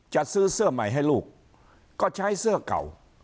จะซื้อเสื้อใหม่ให้ลูกก็ใช้เสื้อเก่า